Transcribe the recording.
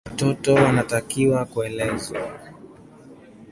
Watoto wanatakiwa kuelezwa.